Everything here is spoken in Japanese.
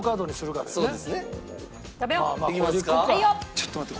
ちょっと待って。